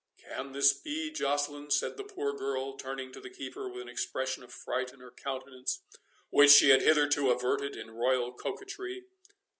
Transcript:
"Can this be, Joceline?" said the poor girl, turning to the keeper with an expression of fright in her countenance, which she had hitherto averted in rural coquetry.